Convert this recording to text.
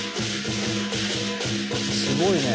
すごいね。